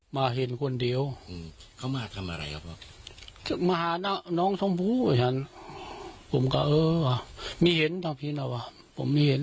มาเห็นคนเดียวเขามาทำอะไรครับมาหาน้องชมพูเห็นผมก็เออมีเห็นทางพี่เราว่ะผมเห็น